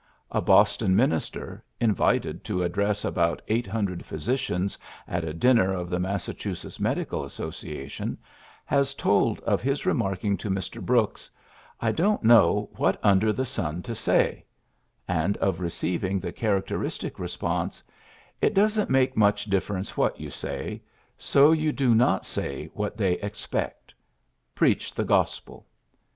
A Boston minis ter, invited to address about eight hundred physicians at a dinner of the Massachu setts Medical Association, has told of his remarking to Mr. Brooks, ^^Idon^t know what under the sun to say, '^ and of receiving the characteristic response: ''It doesn't make much difference what you say, so you do not say what they expect. Preach the gospel.